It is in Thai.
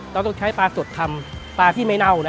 เราต้องใช้ปลาสดทำปลาที่ไม่เน่านะ